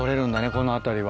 この辺りは。